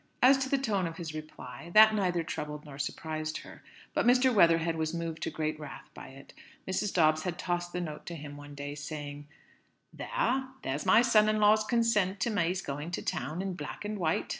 As to the tone of his reply, that neither troubled nor surprised her. But Mr. Weatherhead was moved to great wrath by it. Mrs. Dobbs had tossed the note to him one day, saying "There; there's my son in law's consent to May's going to town, in black and white.